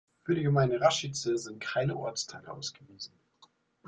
Für die Gemeinde Račice sind keine Ortsteile ausgewiesen.